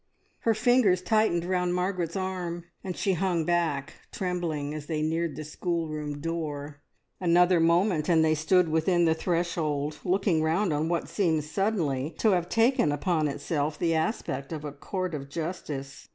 Her fingers tightened round Margaret's arm, and she hung back trembling as they neared the schoolroom door. Another moment and they stood within the threshold, looking round on what seemed suddenly to have taken upon itself the aspect of a court of justice.